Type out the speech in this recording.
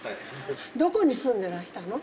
どこに住んでらしたの？